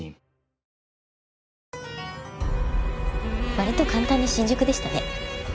割と簡単に新宿でしたね。